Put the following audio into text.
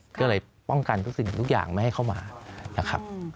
ก็เลยป้องกันทุกสิ่งทุกอย่างไม่ให้เข้ามานะครับ